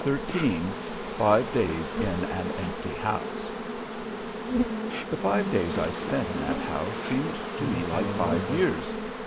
XIII FIVE DAYS IN AN EMPTY HOUSE The five days I spent in that house seemed to me like five years.